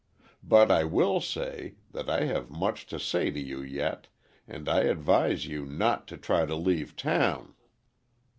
But I will say, that I have much to say to you yet, and I advise you not to try to leave town."